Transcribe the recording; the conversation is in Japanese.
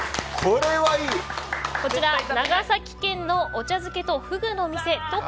こちら、長崎県のお茶漬けとふぐのお店徳